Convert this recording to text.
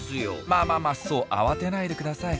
まあまあまあそう慌てないでください。